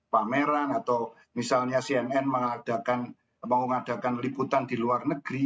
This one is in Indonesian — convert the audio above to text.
pameran atau misalnya cnn mengadakan liputan di luar negeri